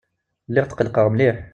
Lliɣ tqelqeɣ mliḥ.